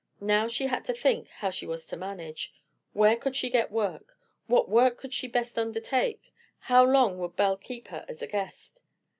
Now she had to think how she was to manage. Where could she get work? What work could she best undertake? How long would Belle keep her as a guest?